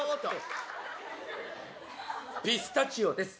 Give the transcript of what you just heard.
ピスタチオです。